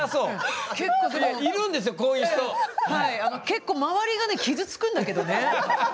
結構周りがね傷つくんだけどね。